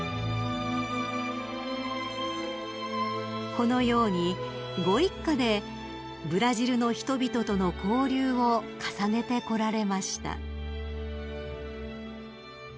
［このようにご一家でブラジルの人々との交流を重ねてこられました］